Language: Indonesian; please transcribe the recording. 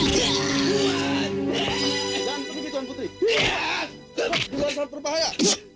jangan sampai terbahaya